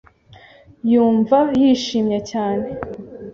Yumva yishimye cyane. .